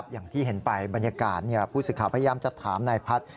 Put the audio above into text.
อย่างที่เห็นไปบรรยากาศผู้สื่อข่าวพยายามจะถามนายพัฒน์